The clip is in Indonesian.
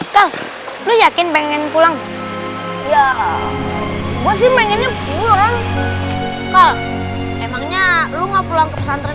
kal lo yakin pengen pulang